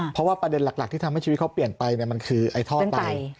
เพราะว่าประเด็นหลักที่ทำให้ชีวิตเขาเปลี่ยนไปมันคือไอ้ท่อไต